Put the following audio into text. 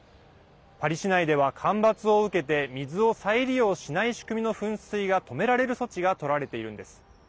パリ市内では干ばつを受けて水を再利用しない仕組みの噴水が止められる措置がとられているんです。